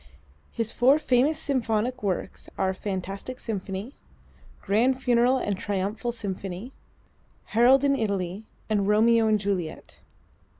His four famous symphonic works are: "Fantastic Symphony," "Grand Funeral and Triumphal Symphony," "Harold in Italy" and "Romeo and Juliet."